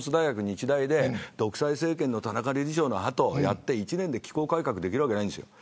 日大で独裁政権の田中理事長の後をやって１年で機構改革ができるわけがないんですよ。